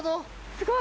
すごい！